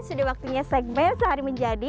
sudah waktunya segmen sehari menjadi